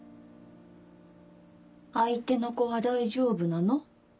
相手の子は大丈夫なの？